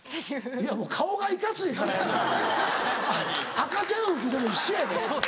いやもう顔がいかついからやな赤ちゃん服でも一緒やで。